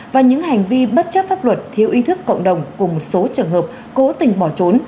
và những hành vi bất chấp pháp luật thiếu ý thức cộng đồng cùng một số trường hợp cố tình bỏ trốn